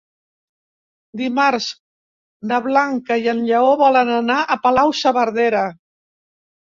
Dimarts na Blanca i en Lleó volen anar a Palau-saverdera.